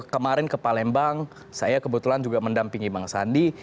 kemarin ke palembang saya kebetulan juga mendampingi bang sandi